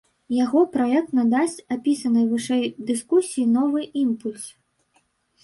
Яго праект надасць апісанай вышэй дыскусіі новы імпульс.